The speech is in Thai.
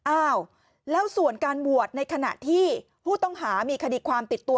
อ้าวแล้วส่วนการบวชในขณะที่ผู้ต้องหามีคดีความติดตัว